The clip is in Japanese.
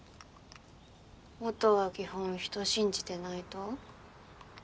音は基本人信じてないと？